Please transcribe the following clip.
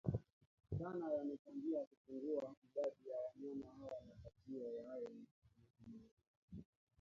sana yamechangia kupungua kwa idadi ya wanyama hawa Matishio hayo ni ujangili